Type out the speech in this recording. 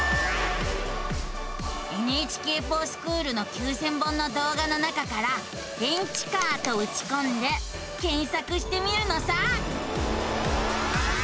「ＮＨＫｆｏｒＳｃｈｏｏｌ」の９，０００本の動画の中から「電池カー」とうちこんで検索してみるのさ。